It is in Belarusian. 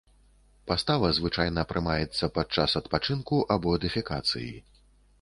Пастава звычайна прымаецца падчас адпачынку або дэфекацыі.